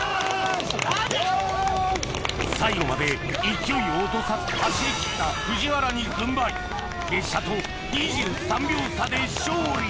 最後まで勢いを落とさず走り切った藤原に軍配列車と２３秒差で勝利！